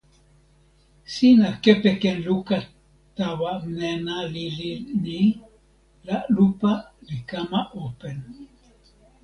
sina kepeken luka tawa nena lili ni la lupa li kama open.